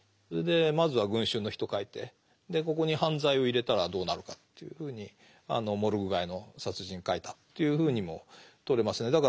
それでまずは「群衆の人」を書いてここに犯罪を入れたらどうなるかというふうに「モルグ街の殺人」を書いたというふうにもとれますね。